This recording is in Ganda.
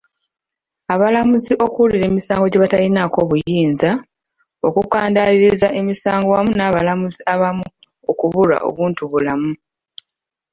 Abalamuzi okuwulira emisango gye batalinaako buyinza, okukandaaliriza emisango wamu n'abalamuzi abamu okubulwa obuntubulamu.